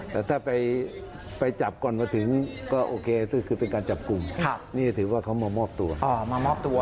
แต่ถ้าไปจับก่อนมาถึงก็โอเคซึ่งคือเป็นการจับกลุ่มนี่ถือว่าเขามามอบตัวมามอบตัว